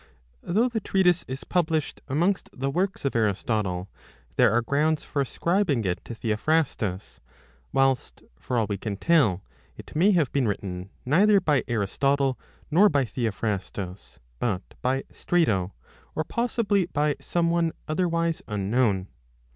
Though the treatise is published amongst the works of Aristotle, there are grounds for ascribing it to Theophrastus : whilst, for all we can tell, it may have been written neither by Aristotle nor by Theo phrastus, but by Strato, or possibly by some one otherwise unknown.